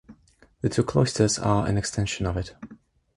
The two cloisters are an extension of it.